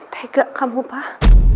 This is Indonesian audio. tegak kamu pak